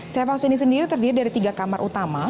safe house ini sendiri terdiri dari tiga kamar utama